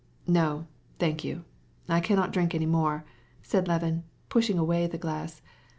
"No, thanks, I can't drink any more," said Levin, pushing away his glass.